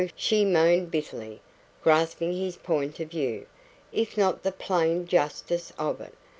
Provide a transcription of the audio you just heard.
she moaned bitterly, grasping his point of view, if not the plain justice of it.